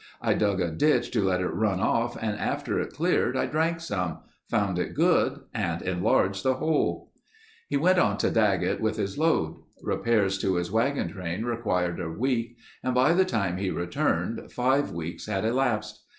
I dug a ditch to let it run off and after it cleared I drank some, found it good and enlarged the hole." He went on to Daggett with his load. Repairs to his wagon train required a week and by the time he returned five weeks had elapsed.